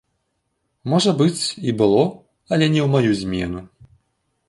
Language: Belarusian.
Можа быць, і было, але не ў маю змену.